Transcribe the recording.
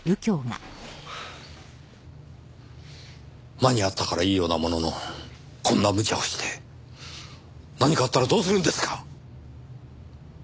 間に合ったからいいようなもののこんなむちゃをして何かあったらどうするんですか？